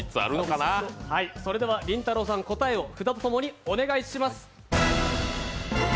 それでは、りんたろーさん、答えを札とともにお願いします。